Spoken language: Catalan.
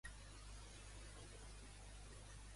Com va obtenir el títol de Marquesa?